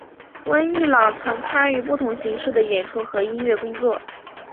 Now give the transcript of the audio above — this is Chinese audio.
温逸朗曾参与不同形式的演出和音乐工作。